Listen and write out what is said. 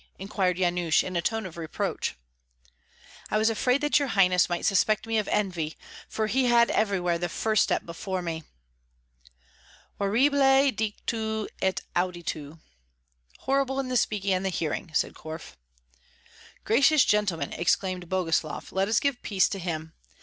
inquired Yanush, in a tone of reproach. "I was afraid that your highness might suspect me of envy, for he had everywhere the first step before me." "Horribile dictu et auditu (horrible in the speaking and the hearing)," said Korf. "Gracious gentlemen," exclaimed Boguslav, "let us give peace to him.